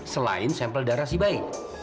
selain sampel darah si bayi